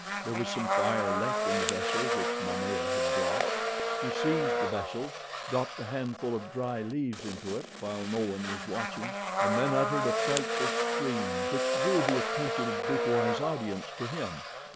There was some fire left in the vessel which Momaya had brought. He seized the vessel, dropped a handful of dry leaves into it while no one was watching and then uttered a frightful scream which drew the attention of Bukawai's audience to him.